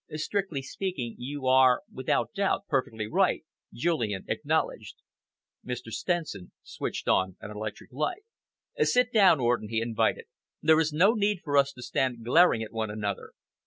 "Strictly speaking, you are, without doubt, perfectly right," Julian acknowledged. Mr. Stenson switched on an electric light. "Sit down, Orden," he invited. "There is no need for us to stand glaring at one another.